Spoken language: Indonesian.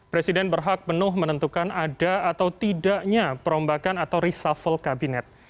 presiden berhak penuh menentukan ada atau tidaknya perombakan atau reshuffle kabinet